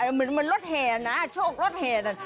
เหมือนมันรถแหนะโชครถแหนะ